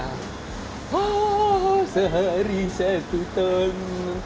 haaa sehari satu ton